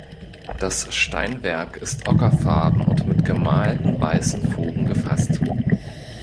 Das Steinwerk ist ockerfarben und mit gemalten weißen Fugen gefasst.